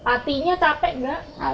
artinya capek nggak